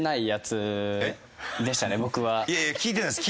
いやいや聞いてないです